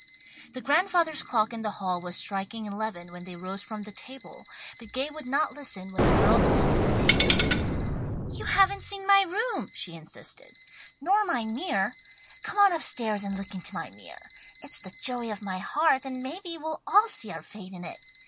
The grandfather's clock in the hall was striking eleven when they rose from the table, but Gay would not listen when the girls attempted to take their leave. "You haven't seen my room," she insisted, "nor my mirror. Come on up stairs and look into my mirror. It's the joy of my heart, and maybe we'll all see our fate in it.